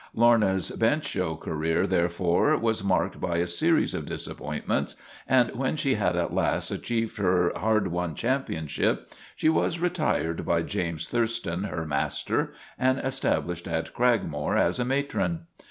Lorna's bench show career, there fore, was marked by a series of disappointments, and when she had at last achieved her hard won 249 250 LORNA OF THE BLACK EYE championship she was retired by James Thurston, her master, and established at Cragmore as a matron.